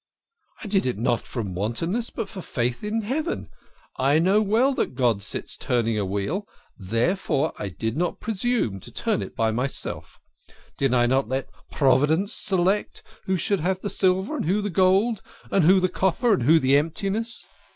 " I did it not from wantonness, but from faith in Heaven. I know well that God sits turning a wheel therefore I did not presume THE KING OF SCHNORRERS. 11 to turn it myself. Did I not let Providence select who should have the silver and who the gold, who the copper and who the emptiness?